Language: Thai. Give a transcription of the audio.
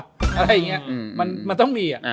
อะไรอย่างนี้มันต้องมี